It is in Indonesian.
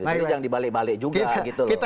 jadi jangan dibalik balik juga